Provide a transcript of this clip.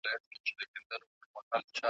چي په یاد زموږ د ټولواک زموږ د پاچا یې .